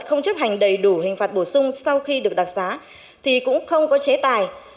không chấp hành đầy đủ hình phạt bổ sung sau khi được đặc xá thì cũng không có chế tài